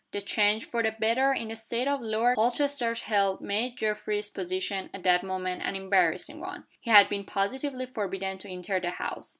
The change for the better in the state of Lord Holchester's health made Geoffrey's position, at that moment, an embarrassing one. He had been positively forbidden to enter the house.